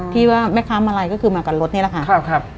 ที่ว่าแม่ค้ามาลัยก็คือมากับรถนี่แหละค่ะ